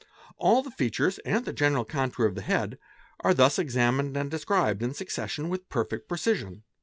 All the features and the general contour of the head are thus examined and described in succession with perfect precision.